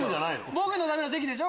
僕のための席でしょ？